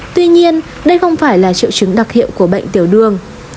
tuy nhiên đây không phải là triệu chứng đặc hiệu của bệnh tiểu đường